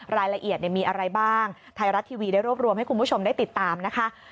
รายละเอียดมีอะไรบ้างไทยรัฐทีวีได้รวบรวมให้คุณผู้ชมได้ติดตามนะคะ